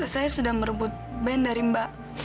saya sudah merebut band dari mbak